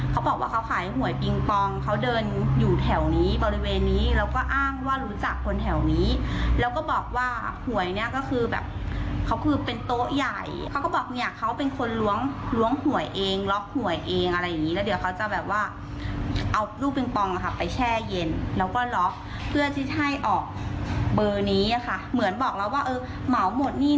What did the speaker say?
เขาบอกว่าเขาขายหวยปิงปองเขาเดินอยู่แถวนี้บริเวณนี้แล้วก็อ้างว่ารู้จักคนแถวนี้แล้วก็บอกว่าหวยเนี่ยก็คือแบบเขาคือเป็นโต๊ะใหญ่เขาก็บอกเนี่ยเขาเป็นคนล้วงล้วงหวยเองล็อกหวยเองอะไรอย่างงี้แล้วเดี๋ยวเขาจะแบบว่าเอาลูกปิงปองอะค่ะไปแช่เย็นแล้วก็ล็อกเพื่อที่จะให้ออกเบอร์นี้ค่ะเหมือนบอกแล้วว่าเออเหมาหมดหนี้